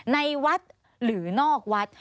ในวัดหรือนอกวัด